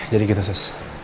jadi gitu sos